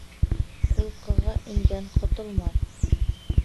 Ҡулҡыға ингән ҡотолмаҫ